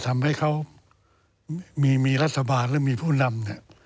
ทำให้เขามีรัฐบาลและมีผู้นำ